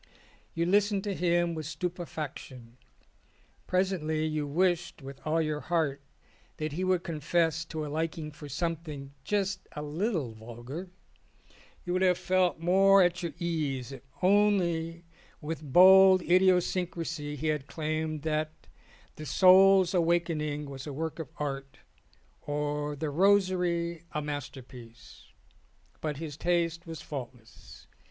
You listened to him with stupefaction. Presently you wished with all your heart that he would confess to a liking for something just a little vulgar : you would have felt more at your ease if only with bold idiosyn crasy he had claimed that The Soul's Awakening "was a work of art or The Rosary a masterpiece. But his taste was faultless.